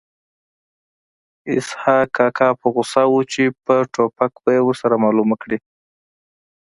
اسحق کاکا په غوسه و چې په ټوپک به یې ورسره معلومه کړي